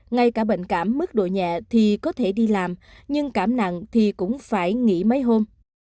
ngay cả bệnh cảm mức độ nhẹ thì có thể đi làm nhưng cảm nặng thì cũng phải nghỉ mấy hôm